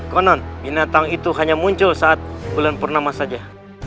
konon binatang itu hanya muncul saat bulan purnama saja